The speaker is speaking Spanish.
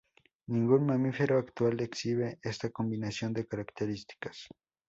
Ningún mamífero actual exhibe esta combinación de características.